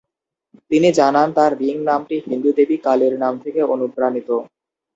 তিনি জানান, তার রিং নামটি হিন্দু দেবী কালীর নাম থেকে অনুপ্রাণিত।